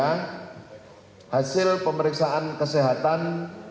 dan hasil pemeriksaan kesehatan